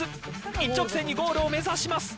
一直線にゴールを目指します。